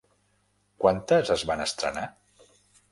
Quantes es van estrenar?